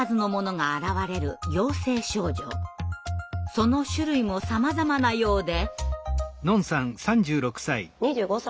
その種類もさまざまなようで。